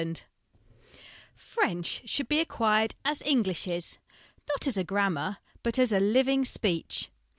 FRENCH French should be acquired as English is, not as a grammar, but as a living speech.